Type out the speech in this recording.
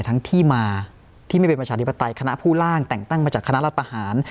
ทั้งที่มาที่ไม่เป็นประชาธิปไตยคณะผู้ร่างแต่งตั้งมาจากคณะรัฐประหาร